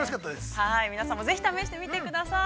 ◆ぜひ皆さんも試してみてください。